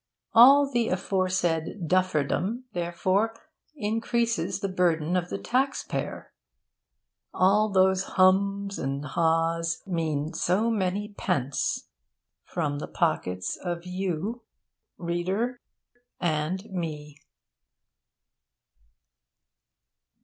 All the aforesaid dufferdom, therefore, increases the burden of the taxpayer. All those hum's and ha's mean so many pence from the pockets of you, reader, and me.